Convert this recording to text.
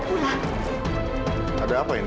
kita sudah berjalan ke rumah